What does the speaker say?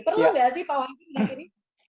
perlu nggak sih pak wayudi